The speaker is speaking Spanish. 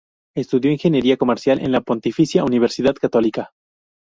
Estudió ingeniería comercial en la Pontificia Universidad Católica.